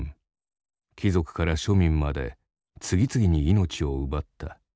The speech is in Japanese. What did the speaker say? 貴族から庶民まで次々に命を奪った。